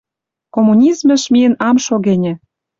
Коммунизмыш миэн ам шо гӹньӹ